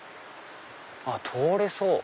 通れそう！